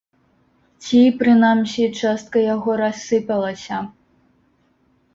Ці, прынамсі, частка яго рассыпалася.